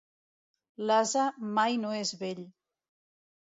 L'ase mai no és vell.